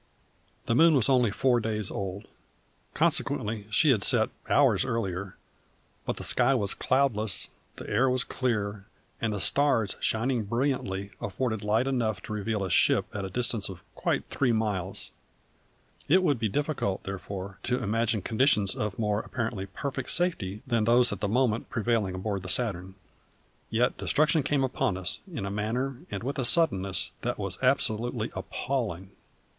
The moon was only four days old, consequently she had set hours earlier, but the sky was cloudless, the air was clear, and the stars, shining brilliantly, afforded light enough to reveal a ship at a distance of quite three miles; it would be difficult, therefore, to imagine conditions of more apparently perfect safety than those at the moment prevailing aboard the Saturn. Yet destruction came upon us in a manner, and with a suddenness, that was absolutely appalling.